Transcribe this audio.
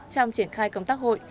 trong triển khai công tác hội